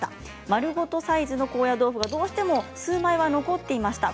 丸ごとサイズの高野豆腐どうしても数枚が残っていました。